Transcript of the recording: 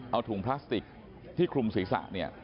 เอาถุงพลาสติกที่คลุมศีรษะเนี่ย